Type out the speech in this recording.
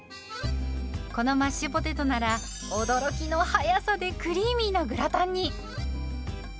このマッシュポテトなら驚きの速さでクリーミーなグラタンに。